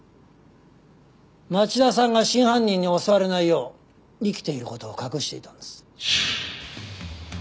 町田さんが真犯人に襲われないよう生きている事を隠していたんです。